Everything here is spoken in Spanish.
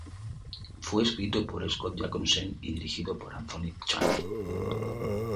Fue escrito por Scott Jacobsen y dirigido por Anthony Chun.